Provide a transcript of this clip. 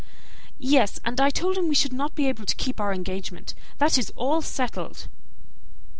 "Yes; and I told him we should not be able to keep our engagement. That is all settled."